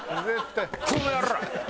この野郎！